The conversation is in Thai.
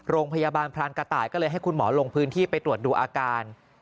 โรงพยาบาลพรานกระต่ายก็เลยให้คุณหมอลงพื้นที่ไปตรวจดูอาการ